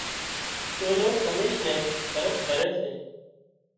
چولو، کميس نين ڀرت ڀري سي